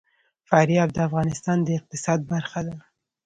فاریاب د افغانستان د اقتصاد برخه ده.